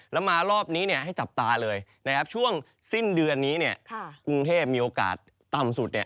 แล้วมารอบนี้เนี่ยให้จับตาเลยนะครับช่วงสิ้นเดือนนี้เนี่ยกรุงเทพมีโอกาสต่ำสุดเนี่ย